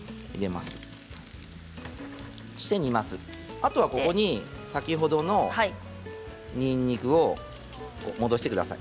あとはここに先ほどのにんにくを戻してください。